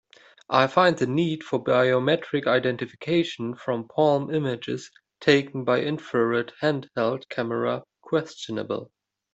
I find the need for biometric identification from palm images taken by infrared handheld camera questionable.